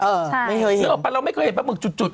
เออไม่เคยเห็นนึกออกปะเราไม่เคยเห็นปลาหมึกจุด